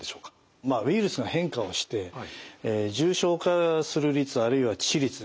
まあウイルスが変化をして重症化する率あるいは致死率ですね